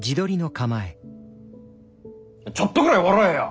ちょっとぐらい笑えや！